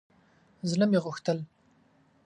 زړه مې غوښتل